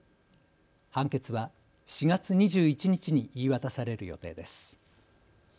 判決は４月２１日に言い渡される予定です。